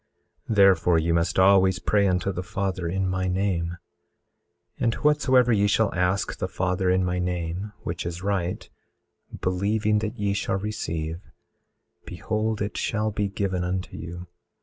18:19 Therefore ye must always pray unto the Father in my name; 18:20 And whatsoever ye shall ask the Father in my name, which is right, believing that ye shall receive, behold it shall be given unto you.